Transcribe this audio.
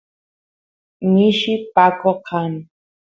mishi paqo kan